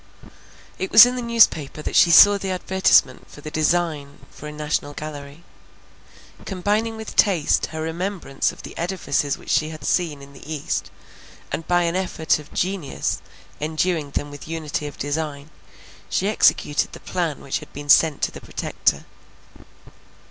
It was in the newspaper that she saw the advertisement for the design for a national gallery. Combining with taste her remembrance of the edifices which she had seen in the east, and by an effort of genius enduing them with unity of design, she executed the plan which had been sent to the Protector.